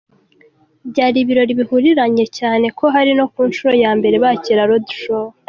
byari ibirori bihuriranye cyane ko hari no ku nshuro ya mbere bakira roadshow.